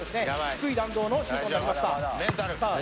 低い弾道のシュートになりましたさあ